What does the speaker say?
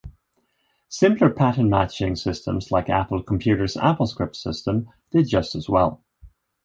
Simpler pattern-matching systems like Apple Computer's AppleScript system did just as well.